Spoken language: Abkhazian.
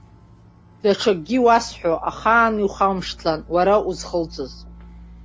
Даҽакгьы иуасҳәо, ахаан иухамшҭлан уара узхылҵыз.